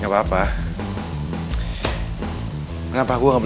yang waktu tunggu ray gue